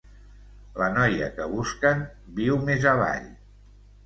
La noia que busquen viu més avall.